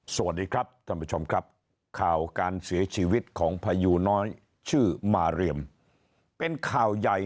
สวัสดีครับท่านผู้ชมครับข่าวการเสียชีวิตของพยูน้อยชื่อมาเรียมเป็นข่าวใหญ่